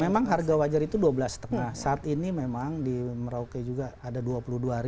memang harga wajar itu rp dua belas lima saat ini memang di merauke juga ada rp dua puluh dua